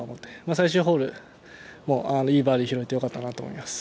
最終ホール、いいバーディー拾えてよかったなと思っています。